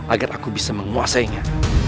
agar aku bisa menguasainya